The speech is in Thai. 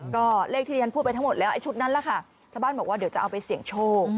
ก็เลขที่ที่ฉันพูดไปทั้งหมดแล้วไอ้ชุดนั้นแหละค่ะชาวบ้านบอกว่าเดี๋ยวจะเอาไปเสี่ยงโชค